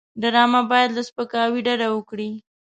ډرامه باید له سپکاوي ډډه وکړي